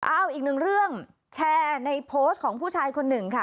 เอาอีกหนึ่งเรื่องแชร์ในโพสต์ของผู้ชายคนหนึ่งค่ะ